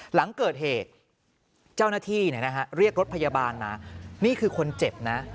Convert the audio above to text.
หลังเกิดเหตุเจ้าหน้าที่เรียกรถพยาบาลมานี่คือคนเจ็บนะ